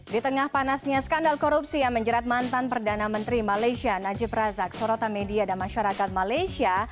di tengah panasnya skandal korupsi yang menjerat mantan perdana menteri malaysia najib razak sorotan media dan masyarakat malaysia